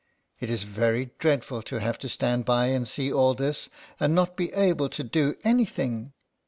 It is very dreadful to have to stand by and see all this, and not be able to do any thing.